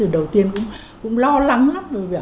đầu tiên cũng lo lắng lắm bởi vậy